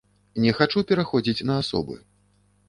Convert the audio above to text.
Не хачу пераходзіць на асобы.